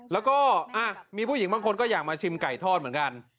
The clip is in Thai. แล้วก็มีผู้หญิงบางคนก็อยากมาชิมไก่ทอดเหมือนกัน